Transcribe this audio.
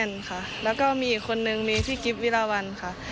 คุณตีบอลแน่นค่ะแล้วก็มีอีกคนนึงมีพี่กิฟต์วิราวัลค่ะ